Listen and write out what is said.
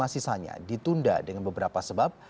empat puluh lima sisanya ditunda dengan beberapa sebab